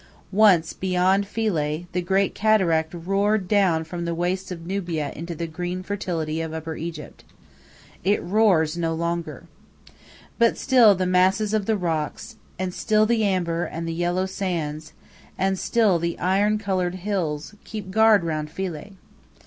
Once, beyond Philae, the great Cataract roared down from the wastes of Nubia into the green fertility of Upper Egypt. It roars no longer. But still the masses of the rocks, and still the amber and the yellow sands, and still the iron colored hills, keep guard round Philae.